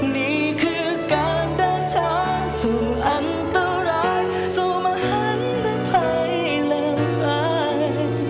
นี่คือการเดินทางสู่อันตรายสู่มหันหรือภัยแรง